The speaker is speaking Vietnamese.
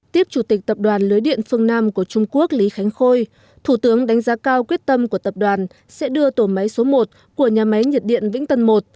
tiếp chủ tịch tập đoàn lưới điện phương nam của trung quốc lý khánh khôi thủ tướng đánh giá cao quyết tâm của tập đoàn sẽ đưa tổ máy số một của nhà máy nhiệt điện vĩnh tân một